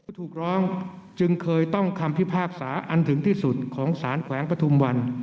ถูกร้องจึงเคยต้องคำพิพากษาอันถึงที่สุดของสารแขวงปฐุมวัน